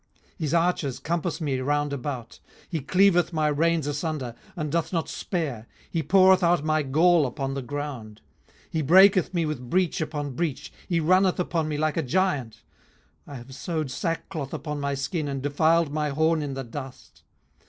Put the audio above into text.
18:016:013 His archers compass me round about, he cleaveth my reins asunder, and doth not spare; he poureth out my gall upon the ground. 18:016:014 He breaketh me with breach upon breach, he runneth upon me like a giant. 18:016:015 I have sewed sackcloth upon my skin, and defiled my horn in the dust.